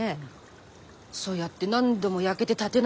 そうやって何度も焼けて建て直して。